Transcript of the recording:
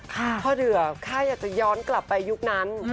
เพราะเดี๋ยวข้าอยากจะย้อนกลับไปยุคนั้น